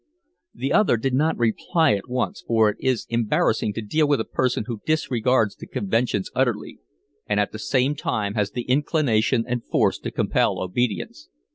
The other did not reply at once, for it is embarrassing to deal with a person who disregards the conventions utterly, and at the same time has the inclination and force to compel obedience.